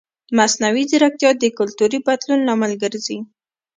مصنوعي ځیرکتیا د کلتوري بدلون لامل ګرځي.